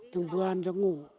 thường vừa ăn chắc ngủ